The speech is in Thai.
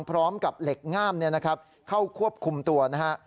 พร้อมกับเหล็กง่ามเข้าควบคุมตัวนะฮะ